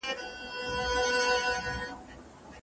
خپلواکه څېړنه تر سندي څېړني خورا ډېره غوره ده.